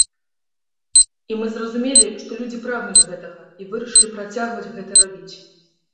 І мы зразумелі, што людзі прагнуць гэтага, і вырашылі працягваць гэта рабіць.